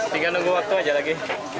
tinggal nunggu waktu aja lagi